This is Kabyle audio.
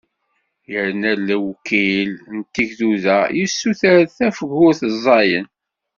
Yerna lewkil n tegduda yessuter tafgurt ẓẓayen.